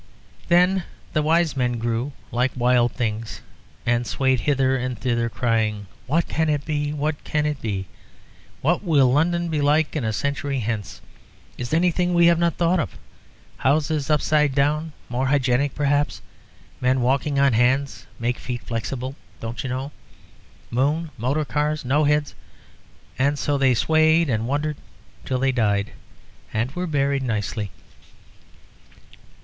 Then the wise men grew like wild things, and swayed hither and thither, crying, "What can it be? What can it be? What will London be like a century hence? Is there anything we have not thought of? Houses upside down more hygienic, perhaps? Men walking on hands make feet flexible, don't you know? Moon ... motor cars ... no heads...." And so they swayed and wondered until they died and were buried nicely.